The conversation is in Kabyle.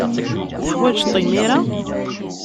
Teḥwajed-t imir-a?